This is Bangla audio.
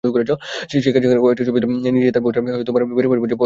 সেখান থেকে কয়েকটি ছবি তিনি তার ফেসবুকের ভেরিফাইড পেজে পোস্ট করেন।